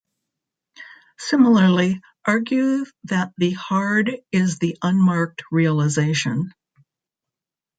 Similarly, argue that the hard is the unmarked realization.